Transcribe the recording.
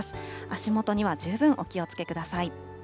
足元には十分お気をつけください。